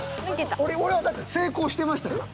俺はだって成功してましたから。